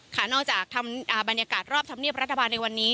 นอกจากทำบรรยากาศรอบธรรมเนียบรัฐบาลในวันนี้